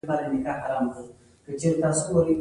دوی د نازېږېدلو فرصتونو له ناملموسو قدرتونو ګټه واخيسته.